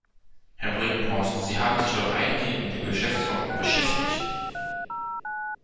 Herr Brinkhorst, Sie haben sich doch eingehend mit der Geschäftsordnung beschäftigt.